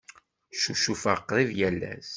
Ccucufeɣ qrib yal ass.